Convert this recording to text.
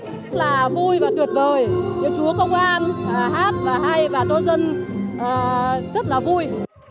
rất là vui và tuyệt vời chúa công an hát và hay và cho dân rất là vui